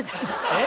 えっ？